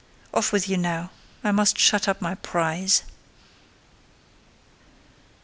Off with you now. I must shut up my prize."